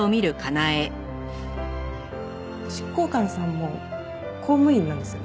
執行官さんも公務員なんですよね？